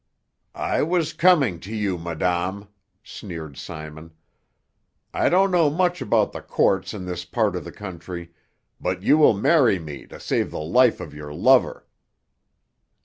"I was coming to you, madame," sneered Simon. "I don't know much about the courts in this part of the country, but you will marry me to save the life of your lover."